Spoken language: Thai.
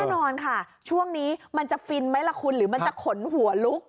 แน่นอนค่ะช่วงนี้มันจะฟินไหมล่ะคุณหรือมันจะขนหัวลุก